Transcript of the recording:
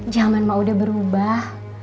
zaman mah udah berubah